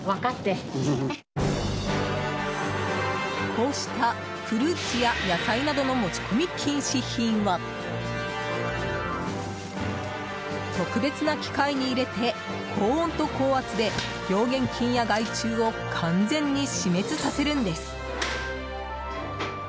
こうしたフルーツや野菜などの持ち込み禁止品は特別な機械に入れて高温と高圧で病原菌や害虫を完全に死滅させるんです。